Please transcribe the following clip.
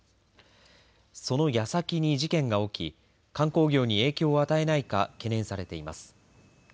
そのやさきに事件が起き観光業に影響を与えないか懸念されています。